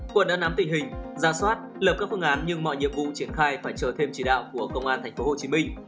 quận đã nắm tình hình ra soát lập các phương án nhưng mọi nhiệm vụ triển khai phải chờ thêm chỉ đạo của công an tp hcm